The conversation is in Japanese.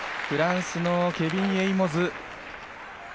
フランスのケビン・エイモズ。